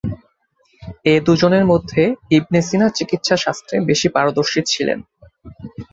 এ দুজনের মধ্যে Ibn Sina চিকিৎসা শাস্ত্রে বেশি পারদর্শী ছিলেন।